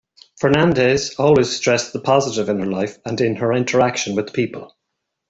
Fernandez always stressed the positive in her life and in her interaction with people.